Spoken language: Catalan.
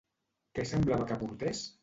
Què semblava que portés?